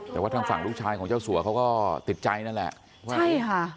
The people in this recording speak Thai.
แต่ว่าทางฝั่งลูกชายของเจ้าสัวเขาก็ติดใจนั่นแหละว่าใช่ค่ะ